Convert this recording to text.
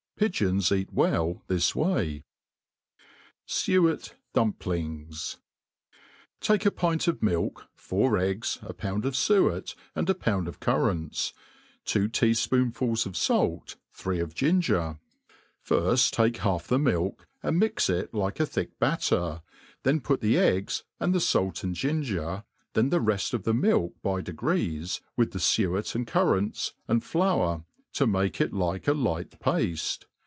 Pigeons eat well this way. Suet Dumplings. TAKE a pint of milk, four eggs, a pound of fuet, and a pound of currants, two tca fpoonfuls of laltj^ tbre^ pf gipger i firft I \ Made plain and easy. 13^ firft take half the milk, and mix it like a thick batter^ then put the eggs, and the fait and ginger, then the reft of the milk by degrees, with the fueC and currants, and iSour, Co make it like a light pafte.